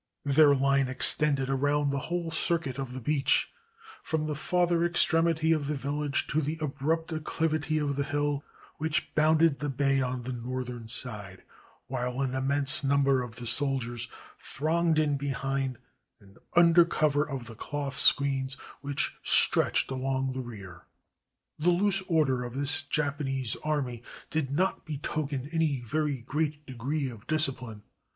Their hne extended around the whole circuit of the beach, from the farther extremity of the village to the abrupt accliv ity of the hill which bounded the bay on the northern side; while an immense number of the soldiers thronged in behind and under cover of the cloth screens which stretched along the rear. The loose order of this Jap anese army did not betoken any very great degree of discipline.